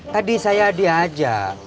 tadi saya diajak